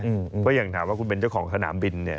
เพราะอย่างถามว่าคุณเป็นเจ้าของสนามบินเนี่ย